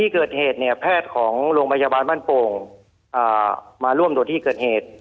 เกิดเหตุเนี่ยแพทย์ของโรงพยาบาลบ้านโป่งมาร่วมตรวจที่เกิดเหตุ